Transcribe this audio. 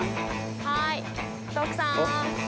はーい徳さん。